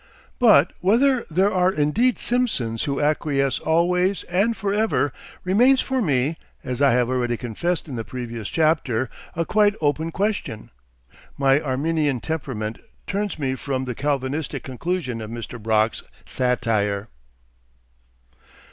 (But whether there are indeed Simpsons who acquiesce always and for ever remains for me, as I have already confessed in the previous chapter, a quite open question. My Arminian temperament turns me from the Calvinistic conclusion of Mr. Brock's satire.)